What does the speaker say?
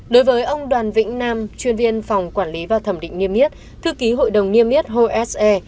đối với ông đoàn vĩnh nam chuyên viên phòng quản lý và thẩm định nghiêm yết thư ký hội đồng nghiêm yết hồ s e